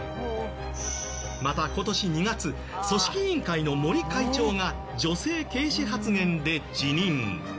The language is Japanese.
また、今年２月組織委員会の森会長が女性軽視発言で辞任。